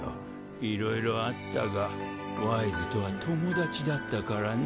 いろいろあったがワイズとは友達だったからな。